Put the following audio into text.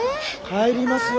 帰りますよ。